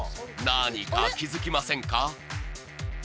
何か気づきませんか？